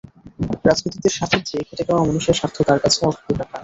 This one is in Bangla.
রাজনীতিকদের স্বার্থের চেয়ে খেটে খাওয়া মানুষের স্বার্থ তাঁর কাছে অগ্রাধিকার পায়।